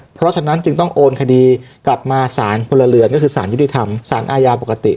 เพราะฉะนั้นจึงต้องโอนคดีกลับมาสารพลเรือนก็คือสารยุติธรรมสารอาญาปกติ